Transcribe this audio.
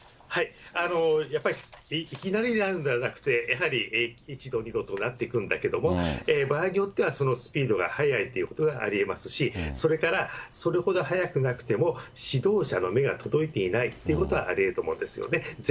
やっぱりいきなりなるんではなくて、やはり１度、２度となっていくんだけども、場合によっては、そのスピードが早いということがありえますし、それから、それほど早くなくても指導者の目が届いていないってことはありえると思うんですよね。